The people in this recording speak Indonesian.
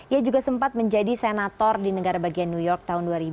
ia juga sempat menjadi senator di negara bagian new york tahun dua ribu